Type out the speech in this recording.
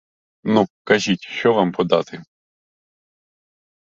Ну, кажіть, що вам подати?